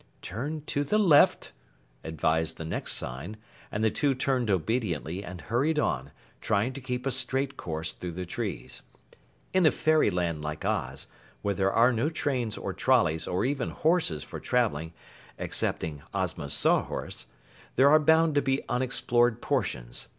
"Turn to the left," advised the next sign, and the two turned obediently and hurried on, trying to keep a straight course through the trees. In a Fairyland like Oz, where there are no trains or trolleys or even horses for traveling ('cepting Ozma's sawhorse), there are bound to be unexplored portions.